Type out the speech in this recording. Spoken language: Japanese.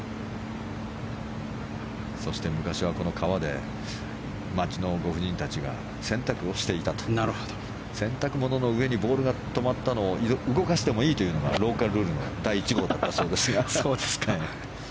そして、昔はこの川で街のご婦人たちが洗濯をしていたという洗濯物の上にボールが止まったのを動かしてもいいというのがローカルルールの第１号だったそうですが。